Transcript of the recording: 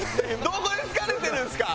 どこで疲れてるんですか！